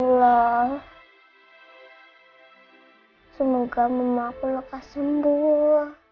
ya allah semoga mama aku lekas sembuh